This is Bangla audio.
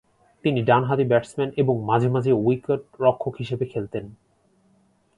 তিনি ডানহাতি ব্যাটসম্যান এবং মাঝে মাঝে উইকেট-রক্ষক হিসেবে খেলতেন।